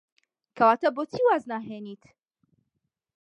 کەواتە بۆچی واز ناهێنیت؟